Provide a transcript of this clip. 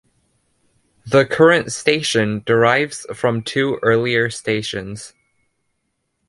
The current station derives from two earlier stations.